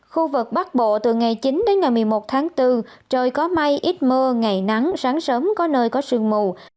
khu vực bắc bộ từ ngày chín đến ngày một mươi một tháng bốn trời có mây ít mưa ngày nắng sáng sớm có nơi có sương mù